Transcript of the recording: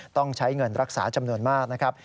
ต้องใช้เงินรักษาจำนวนมากนะครับ